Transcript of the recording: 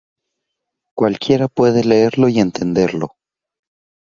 Cualquiera puede leerlo y entenderlo.